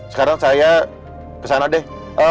sekarang saya kesana deh